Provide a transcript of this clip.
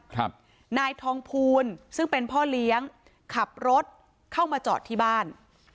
ครับนายทองภูลซึ่งเป็นพ่อเลี้ยงขับรถเข้ามาจอดที่บ้าน